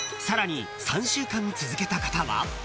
［さらに３週間続けた方は］